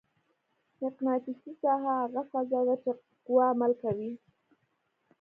مقناطیسي ساحه هغه فضا ده چې قوه عمل کوي.